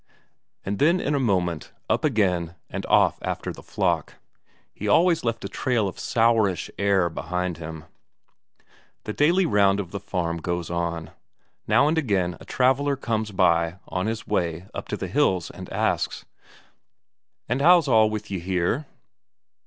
And then in a moment, up again and off after the flock. He always left a trail of sourish air behind him. The daily round of the farm goes on. Now and again a traveller comes by, on his way up to the hills, and asks: "And how's all with ye here?"